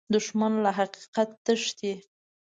دښمن له حقیقت تښتي